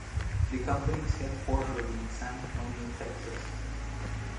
The company is headquartered in San Antonio, Texas.